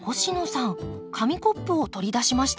紙コップを取り出しました。